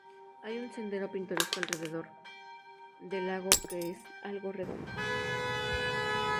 Hay un sendero pintoresco alrededor del lago que es algo redondo.